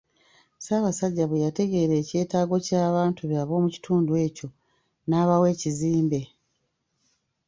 Ssaabasajja bwe yategeera ekyetaago ky'abantu be ab'omu kitundu ekyo, n'abawa ekizimbe.